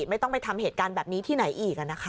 ไม่ต้องไปทำเหตุการณ์แบบนี้ที่ไหนอีก